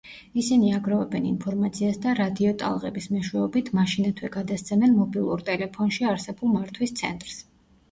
ისინი აგროვებენ ინფორმაციას და რადიოტალღების მეშვეობით, მაშინათვე გადასცემენ მობილურ ტელეფონში არსებულ მართვის ცენტრს.